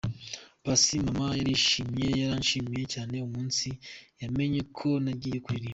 Paccy: Mama yarishimye, yaranshimiye cyane umunsi yamenye ko nagiye kuririmba.